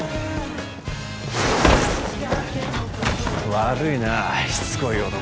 悪いなしつこい男で。